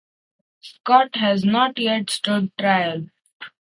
Scott has not yet stood trial.